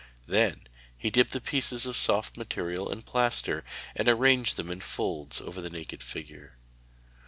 Then he dipped pieces of soft material in plaster, and arranged them in folds over the naked figure.